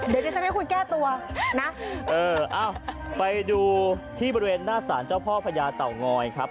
เดี๋ยวดิฉันให้คุณแก้ตัวนะเอออ้าวไปดูที่บริเวณหน้าสารเจ้าพ่อพญาเต่างอยครับ